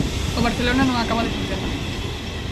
O Barcelona non acaba de funcionar.